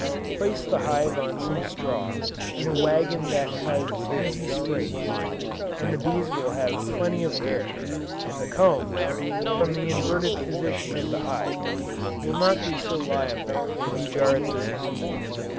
Place the hive on some straw, in a wagon that has easy springs, and the bees will have plenty of air, and the combs, from the inverted position of the hive, will not be so liable to be jarred loose.